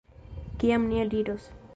Kiam ni eliros?